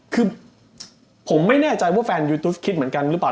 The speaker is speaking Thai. คือผมไม่แน่ใจว่าแฟนยูทูสคิดเหมือนกันหรือเปล่า